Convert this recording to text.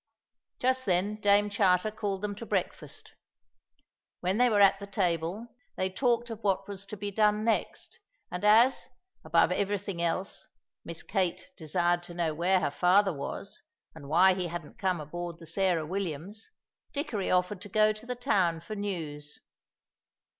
Just then Dame Charter called them to breakfast. When they were at the table, they talked of what was to be done next; and as, above everything else, Miss Kate desired to know where her father was and why he hadn't come aboard the Sarah Williams, Dickory offered to go to the town for news.